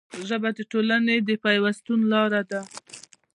ژبه د ټولنې د پیوستون لاره ده